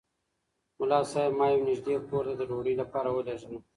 ملا صاحب ما یو نږدې کور ته د ډوډۍ لپاره ولېږلم.